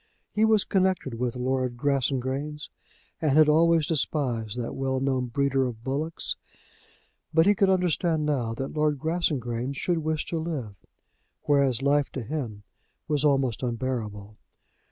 He was connected with Lord Grassangrains, and had always despised that well known breeder of bullocks; but he could understand now that Lord Grassangrains should wish to live, whereas life to him was almost unbearable.